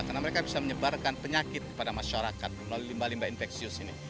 karena mereka bisa menyebarkan penyakit kepada masyarakat melalui limbah limbah infeksius ini